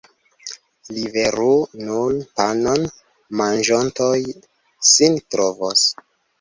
Liveru nur panon, manĝontoj sin trovos.